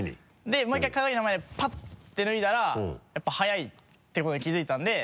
でもう１回鏡の前でパッて脱いだらやっぱ早いってことに気づいたんで。